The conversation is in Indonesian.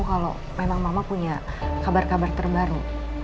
kalau memang mama punya kabar kabar terbaru